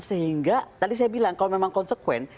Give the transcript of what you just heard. sehingga tadi saya bilang kalau memang konsekuen